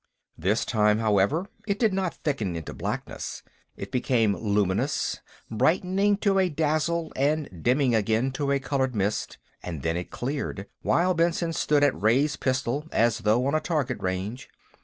This time, however, it did not thicken into blackness. It became luminous, brightening to a dazzle and dimming again to a colored mist, and then it cleared, while Benson stood at raise pistol, as though on a target range.